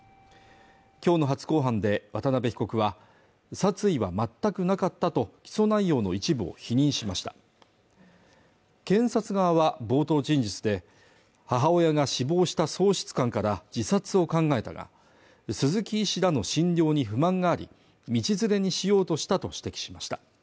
今日の初公判で渡辺被告は殺意は全くなかったと起訴内容の一部を否認しました検察側は冒頭陳述で母親が死亡した喪失感から自殺を考えたが鈴木医師らの診療に不満があり道連れにしようとしたと指摘しました